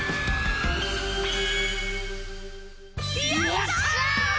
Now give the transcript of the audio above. よっしゃ！